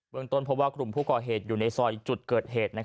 เมืองต้นเพราะว่ากลุ่มผู้ก่อเหตุอยู่ในซอยจุดเกิดเหตุ